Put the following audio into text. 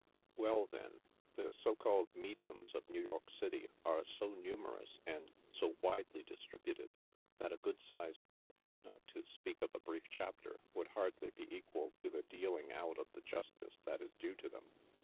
Well, then, the so called mediums of New York City are so nu merous and so widely distributed, that a good sized book, not to speak of a brief chapter, would hardly be equal to the dealing out of the justice that is due to them.